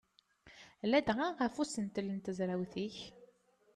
Ladɣa ɣef usentel n tezrawt-ik.